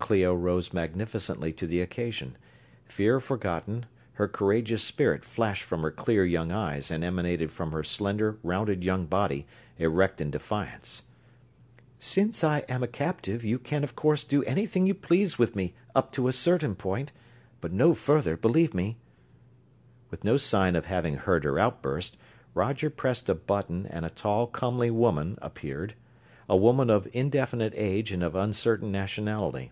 Clio rose magnificently to the occasion. Fear forgotten, her courageous spirit flashed from her clear, young eyes and emanated from her slender, rounded young body, erect in defiance. "Since I am a captive, you can of course do anything you please with me up to a certain point but no further, believe me!" With no sign of having heard her outburst Roger pressed a button and a tall, comely woman, appeared a woman of indefinite age and of uncertain nationality.